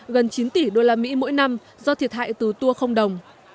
gần chín tỷ usd mỗi năm do thiệt hại từ tour không đồng